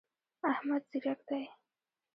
احمد ځیرک دی.